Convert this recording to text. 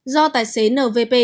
do tài xế nvpt